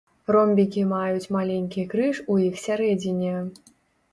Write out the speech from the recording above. Ромбікі маюць маленькі крыж у іх сярэдзіне.